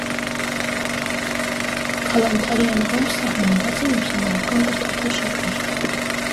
Քալանթարի անվամբ սահմանված են ուսանողական կրթաթոշակներ։